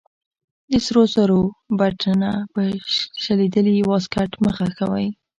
د سرو زرو بټنه په شلېدلې واسکټ مه خښوئ.